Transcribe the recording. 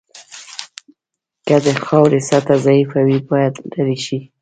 که د خاورې سطحه ضعیفه وي باید لرې شي